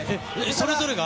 それぞれが？